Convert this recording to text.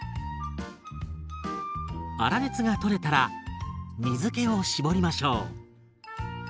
粗熱が取れたら水けを絞りましょう。